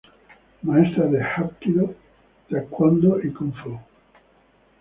Maestra de hapkido, taekwondo y kung fu.